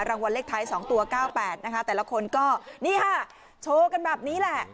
รางวัลเลขท้าย๒ตัว๙๘นะคะแต่ละคนก็นี่ค่ะโชว์กันแบบนี้แหละ